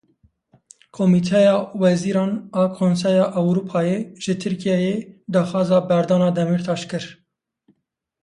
Komîteya Wezîran a Konseya Ewropayê ji Tirkiyeyê daxwaza berdana Demirtaş kir.